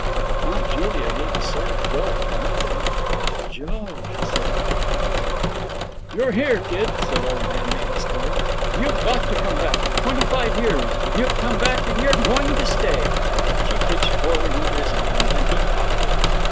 Aunt Julia gave a sort of gulp and looked at him. 'Joe!' she said in a kind of whisper. 'You're here, kid,' said Old Danby, huskily. 'You've come back.... Twenty five years!... You've come back and you're going to stay!' She pitched forward into his arms, and he caught her.